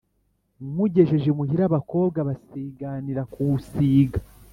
Nywugejeje imuhira abakobwa basiganira kuwusiga,